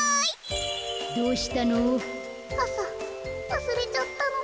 どうしたの？